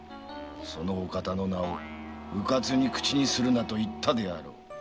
そのお方の名をウカツに口にするなと言っただろう。